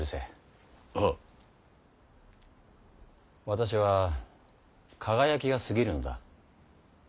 私は輝きがすぎるのだ。